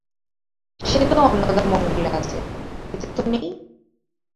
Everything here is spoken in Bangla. সে তো অন্নদামঙ্গলে আছে, এতে তো নেই?